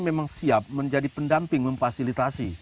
memang siap menjadi pendamping memfasilitasi